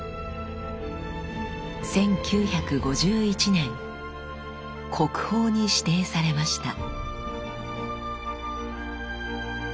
１９５１年国宝に指定されました。